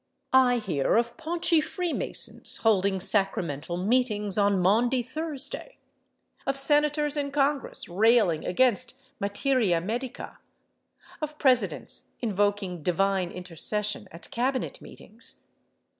I hear of paunchy Freemasons holding sacramental meetings on Maundy Thursday, of Senators in Congress railing against materia medica, of Presidents invoking divine intercession at Cabinet meetings.